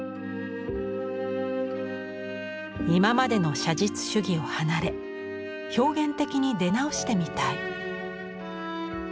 「今までの写実主義を離れ表現的に出直してみたい」。